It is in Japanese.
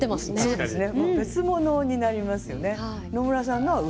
そうですね。